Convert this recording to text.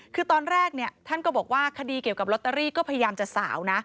คือตอนแรกท่านก็บอกว่าคดีเกี่ยวกับลอตเตอรี่ก็พยายามจะสาวนะ